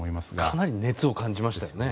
かなり熱を感じましたね。